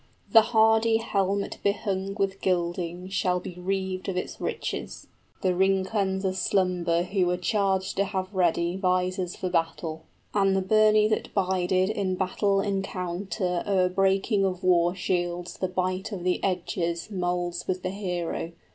The hardy helmet behung with gilding 35 Shall be reaved of its riches: the ring cleansers slumber Who were charged to have ready visors for battle, And the burnie that bided in battle encounter O'er breaking of war shields the bite of the edges Moulds with the hero.